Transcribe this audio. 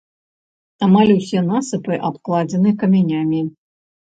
Амаль усе насыпы абкладзены камянямі.